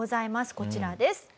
こちらです。